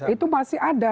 itu masih ada